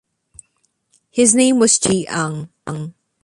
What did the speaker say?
His name was changed to Li Ang.